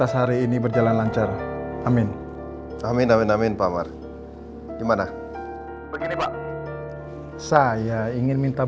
ada unanim story's karena awal putri awal temani bo primitive